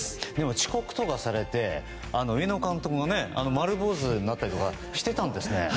遅刻とかされて井上監督も丸坊主になったりしていたんですね。